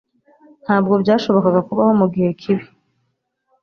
Ntabwo byashobokaga kubaho mugihe kibi.